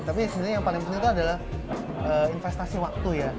tapi yang paling penting itu adalah investasi waktu